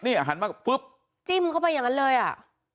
นี่หันมาปุ๊บจิ้มเข้าไปอย่างนั้นเลยอ่ะ